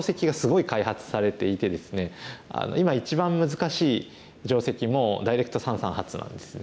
今一番難しい定石もダイレクト三々発なんですね。